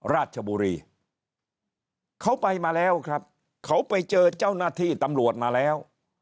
ราชบุรีเขาไปมาแล้วครับเขาไปเจอเจ้าหน้าที่ตำรวจมาแล้ว